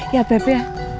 ya beb ya